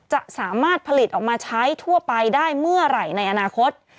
จะสามารถผลิตออกมาใช้ทั่วไปได้เมื่อไหร่ในอนาคต